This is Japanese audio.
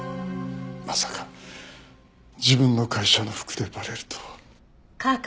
まさか自分の会社の服でバレるとは。